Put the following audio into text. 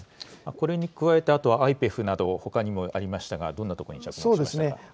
これに加えて、あとＩＰＥＦなど、ほかにもありましたが、どんなところに着目しますか？